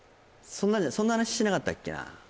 そんな話してなかったっけな？